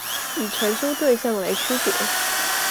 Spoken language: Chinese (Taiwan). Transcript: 以傳輸對象來區別